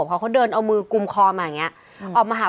พอเขาเดินเอามือกุมคอมาอย่างนี้ออกมาหา